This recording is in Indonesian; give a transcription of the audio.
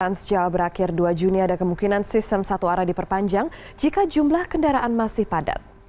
transjawa berakhir dua juni ada kemungkinan sistem satu arah diperpanjang jika jumlah kendaraan masih padat